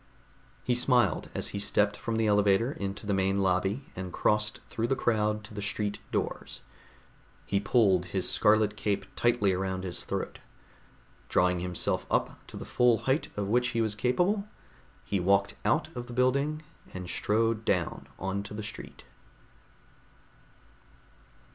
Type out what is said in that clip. He smiled as he stepped from the elevator into the main lobby and crossed through the crowd to the street doors. He pulled his scarlet cape tightly around his throat. Drawing himself up to the full height of which he was capable, he walked out of the building and strode down onto the street.